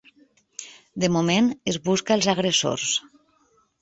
De moment es busca els agressors.